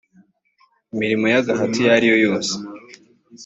imirimo y agahato iyo ari yo yose